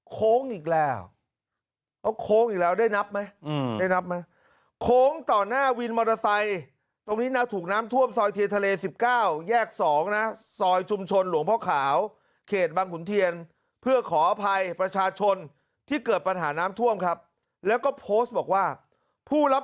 โค้งอีกแล้วเขาโค้งอีกแล้วได้นับไหมได้นับไหมโค้งต่อหน้าวินมอเตอร์ไซค์ตรงนี้นะถูกน้ำท่วมซอยเทียนทะเล๑๙แยก๒นะซอยชุมชนหลวงพ่อขาวเขตบังขุนเทียนเพื่อขออภัยประชาชนที่เกิดปัญหาน้ำท่วมครับแล้วก็โพสต์บอกว่าผู้รับ